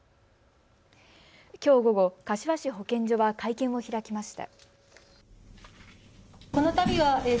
きょう午後、柏市保健所は会見を開きました。